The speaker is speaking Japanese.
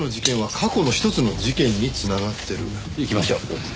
行きましょう。